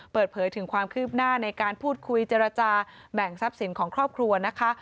เปิดเผยถึงความคืบหน้าในการพูดคุยเจรจาแบ่งทรัพย์สินของครอบครัวนะคะ